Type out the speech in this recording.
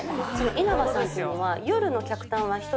稲葉さんっていうのは。